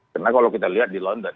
karena kalau kita lihat di london